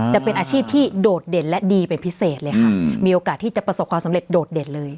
จะเป็นอาชีพที่โดดเด่นและดีเป็นพิเศษเลยค่ะมีโอกาสที่จะประสบความสำเร็จโดดเด่นเลย